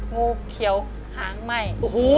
งูเขียวหางไหม้